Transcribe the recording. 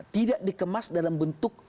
tidak dikemas dalam bentuk